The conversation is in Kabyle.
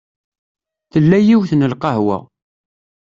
Tella yiwet n lqahwa.